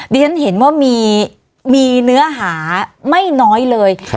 เรียนเห็นว่ามีเนื้อหาไม่น้อยเลย